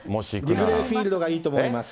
リグレーフィールドがいいと思います。